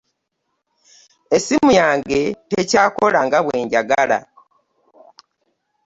Essimu yange tekyakola nga bwenjagala.